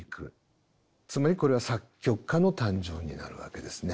つまりこれは作曲家の誕生になるわけですね。